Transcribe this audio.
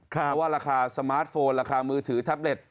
เพราะว่าราคาสมาร์ทโฟนราคามือถือแท็บเล็ต